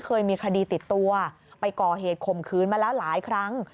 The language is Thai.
เคยมีคดีติดตัวไปก่อเหตุข่มขืนมาแล้วหลายครั้ง